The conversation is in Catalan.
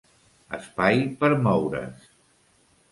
Espai per moure's